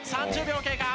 ３０秒経過。